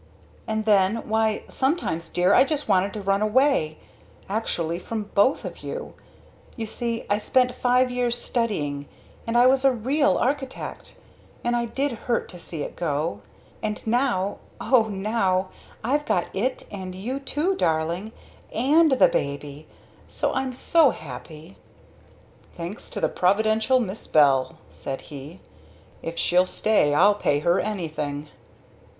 And then why sometimes dear, I just wanted to run away! Actually! From both of you! you see, I spent five years studying I was a real architect and it did hurt to see it go. And now O now I've got It and You too, darling! And the Baby! O I'm so happy!" "Thanks to the Providential Miss Bell," said he. "If she'll stay I'll pay her anything!"